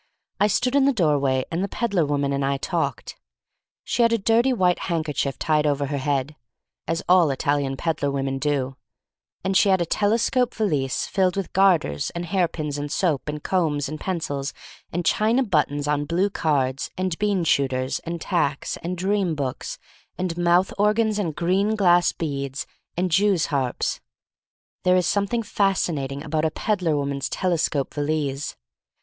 I stood in the doorway, and the peddler woman and I talked. She had a dirty white handker chief tied over her head — as all Italian peddler women do — and she had a tele scope valise filled with garters, and hairpins, and soap, and combs, and pencils, and china buttons on blue cards, and bean shooters, and tacks, and dream books, and mouth organs, and green glass beads, and jews harps. There is something fascinating about a peddler woman's telescope valise.